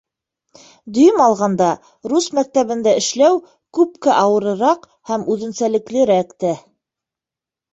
Дөйөм алғанда, рус мәктәбендә эшләү күпкә ауырыраҡ һәм үҙенсәлеклерәк тә.